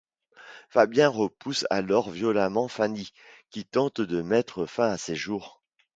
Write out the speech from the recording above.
Fabien repousse alors violemment Fanny, qui tente de mettre fin à ses jours.